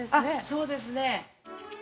そうですね。